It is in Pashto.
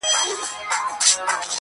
خدای په ژړا دی، خدای پرېشان دی.